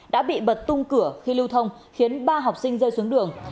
đã bị bật tung cửa khi lưu thông khiến ba học sinh rơi xuống đường